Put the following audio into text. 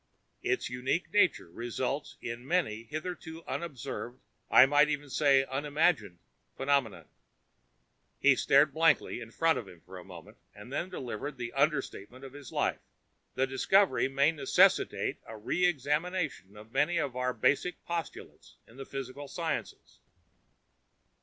Its unique nature results in many hitherto unobserved I might say even unimagined phenomena." He stared blankly in front of him for a moment, then delivered the understatement of his life. "The discovery may necessitate a re examination of many of our basic postulates in the physical sciences."